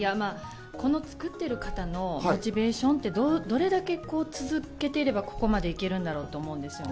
この作ってる方のモチベーションってどれだけ続けていれば、ここまで行けるんだろうって思うんですよね。